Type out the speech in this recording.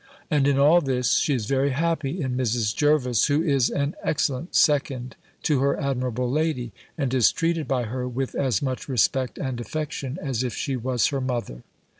And in all this she is very happy in Mrs. Jervis, who is an excellent second to her admirable lady; and is treated by her with as much respect and affection, as if she was her mother.